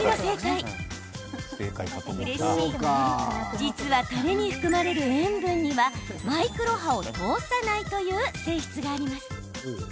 実は、たれに含まれる塩分にはマイクロ波を通さないという性質があります。